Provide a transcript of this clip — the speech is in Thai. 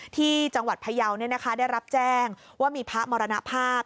ที่จังหวัดพยาวได้รับแจ้งว่ามีพระมรณภาพ